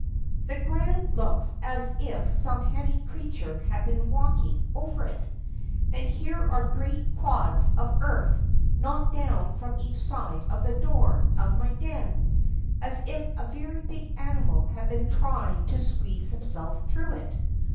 the ground looks as if some heavy creature had been walking over it, and here are great clods of earth knocked down from each side of the door of my den, as if a very big animal had been trying to squeeze himself through it.